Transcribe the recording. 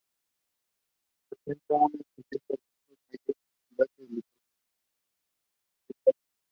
Presenta una estructura rígida y mayor estabilidad que la cis-decalina.